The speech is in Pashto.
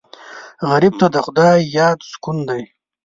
غریب ته د خدای یاد سکون دی